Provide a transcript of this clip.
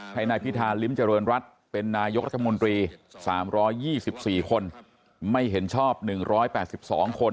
ให้นายพิธาริมเจริญรัฐเป็นนายกรัฐมนตรี๓๒๔คนไม่เห็นชอบ๑๘๒คน